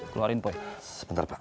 keluarin poi sebentar pak